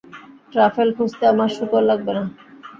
Truffle খুঁজতে আমার শূকর লাগবে না।